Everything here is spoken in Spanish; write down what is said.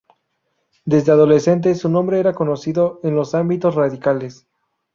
Desde adolescente su nombre era conocido en los ámbitos radicales.